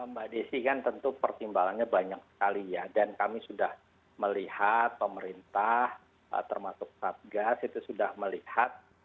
mbak desi kan tentu pertimbangannya banyak sekali ya dan kami sudah melihat pemerintah termasuk satgas itu sudah melihat